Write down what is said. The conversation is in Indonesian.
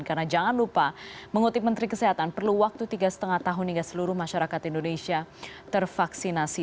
karena jangan lupa mengutip menteri kesehatan perlu waktu tiga lima tahun hingga seluruh masyarakat indonesia tervaksinasi